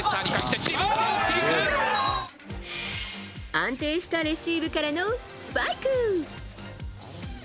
安定したレシーブからのスパイク。